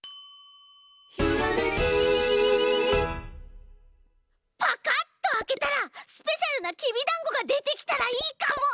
「ひらめき」パカッとあけたらスペシャルなきびだんごがでてきたらいいかも！